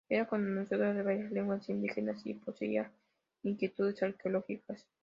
Era conocedor de varias leguas indígenas y poseía inquietudes arqueológicas.